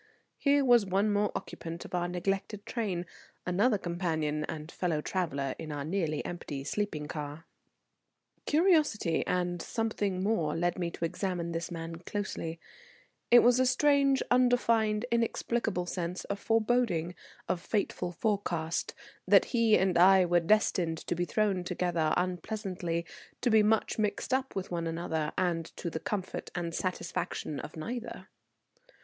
Here was one more occupant of our neglected train, another companion and fellow traveller in our nearly empty sleeping car. Curiosity and something more led me to examine this man closely; it was a strange, undefined, inexplicable sense of foreboding, of fateful forecast, that he and I were destined to be thrown together unpleasantly, to be much mixed up with one another, and to the comfort and satisfaction of neither.